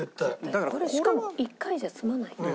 これしかも１回じゃ済まないと思う。